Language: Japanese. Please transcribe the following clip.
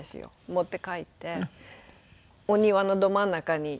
持って帰ってお庭のど真ん中に植えて。